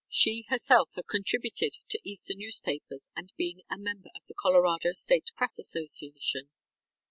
She, herself, had contributed to Eastern newspapers and been a member of the Colorado State Press Association.